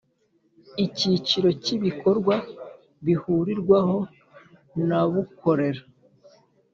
Icyiciro cy Ibikorwa bihurirwaho nabukorera